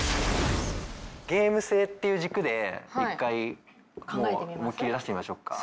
ゲーム性っていう軸で一回思いっきり出してみましょうか。